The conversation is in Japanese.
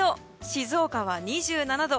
静岡は２７度。